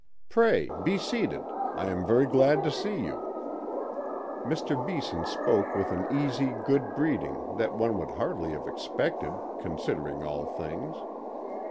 Pray be seated; I am very glad to see you." Mr. Beeson spoke with an easy good breeding that one would hardly have expected, considering all things.